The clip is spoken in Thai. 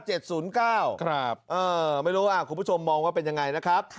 ไม่รู้ว่าคุณผู้ชมมองว่าเป็นยังไงนะครับ